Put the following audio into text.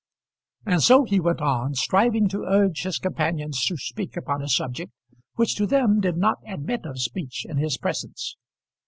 And so he went on, striving to urge his companions to speak upon a subject which to them did not admit of speech in his presence.